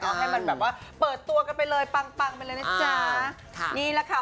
ก็ให้มันแบบว่าเปิดตัวกันไปเลยปังปังไปเลยนะจ๊ะค่ะนี่แหละค่ะ